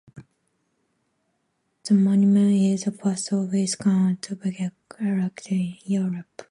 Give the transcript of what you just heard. The monument is the first of its kind to be erected in Europe.